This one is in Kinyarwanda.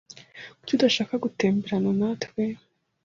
Kuki adashaka gutemberana natwe?